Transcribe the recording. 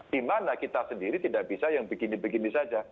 dimana kita sendiri tidak bisa yang begini begini saja